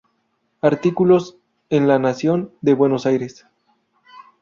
Artículos en "La Nación", de Buenos Aires.